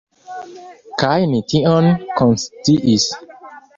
Kaj ni tion konsciis.